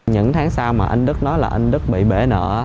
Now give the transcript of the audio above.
những tháng sau mà anh đức nói là anh đức bị bể nợ